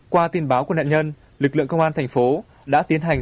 qua tin báo của nạn nhân lực lượng công an thành phố đã tiến hành